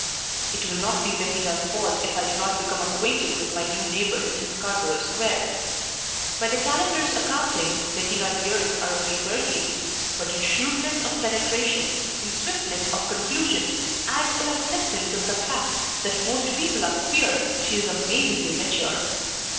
It will not be Bettina's fault if I do not become acquainted with my new neighbors in Scarborough Square. By the calendar's accounting Bettina's years are only thirteen, but in shrewdness of penetration, in swiftness of conclusion, and in acceptance of the fact that most people are queer she is amazingly mature.